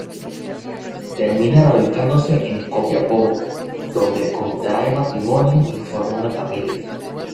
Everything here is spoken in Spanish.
Termina radicándose en Copiapó donde contrae matrimonio y forma una familia.